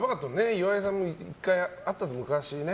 岩井さんも１回あったんですよね